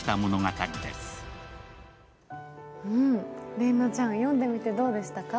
麗菜ちゃん、読んでみてどうでしたか。